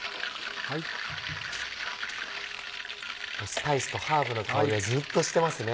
スパイスとハーブの香りがずっとしてますね。